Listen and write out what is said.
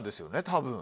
多分。